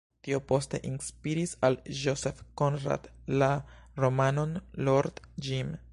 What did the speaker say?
Tio poste inspiris al Joseph Conrad la romanon "Lord Jim".